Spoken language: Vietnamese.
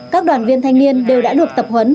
các đoàn viên thanh niên đều đã được tập huấn